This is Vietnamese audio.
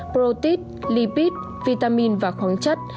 protein lipid vitamin và khoáng chất